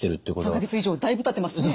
３か月以上だいぶたってますね。